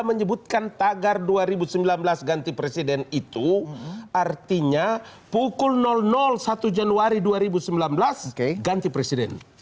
menyebutkan tagar dua ribu sembilan belas ganti presiden itu artinya pukul satu januari dua ribu sembilan belas ganti presiden